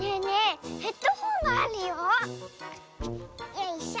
よいしょ。